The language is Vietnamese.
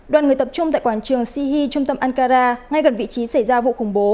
đoàn người tập trung tại quảng trường shihi trung tâm ankara ngay gần vị trí xảy ra vụ khủng bố